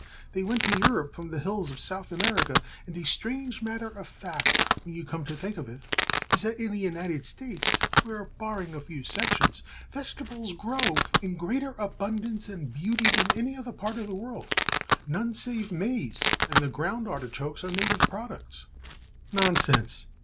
They went to Europe from the hills of South America and a strange matter of fact, when you come to think of it, is that in the United States, where, barring a few sections, vegetables grow in greater abundance and beauty than any other part of the world, none save maize and the ground artichokes are native products." "Nonsense!"